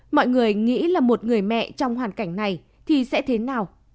mọi người nghĩ là một người mẹ trong hoàn cảnh này thì sẽ thế nào